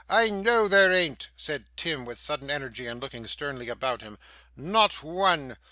I KNOW there an't,' said Tim, with sudden energy, and looking sternly about him. 'Not one.